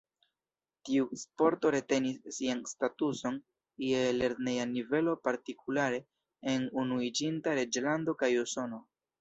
Tiu sporto retenis sian statuson je lerneja nivelo, partikulare en Unuiĝinta Reĝlando kaj Usono.